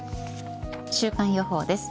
週間予報です。